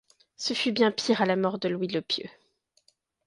Ce fut bien pire à la mort de Louis le Pieux.